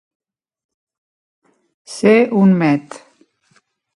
Ser un met.